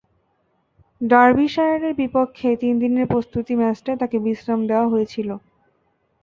ডার্বিশায়ারের বিপক্ষে তিন দিনের প্রস্তুতি ম্যাচটায় তাঁকে বিশ্রাম দেওয়া হয়েছিল তাঁকে।